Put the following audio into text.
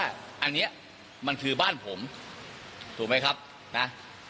ทีนี้บิ๊กโจ๊กก็เลยมองว่ามันเหมือนกับว่าร่วมกันปกปิดข้อเท็จจริงต่อสารเดี๋ยวลองฟังเสียงดูนะคะ